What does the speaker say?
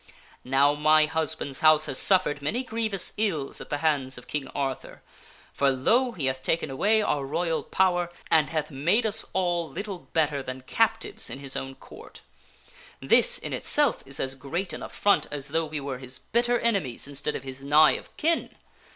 Now, my husband's house has suffered many grievous ills at the hands of King Arthur, for, lo ! he hath taken away our royal power and hath made us all little better than captives in his own Court. This in itself is as great an affront as though we were his bitter enemies instead of his nigh of kin.